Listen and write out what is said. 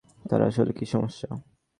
তার আসলে কী সমস্যা?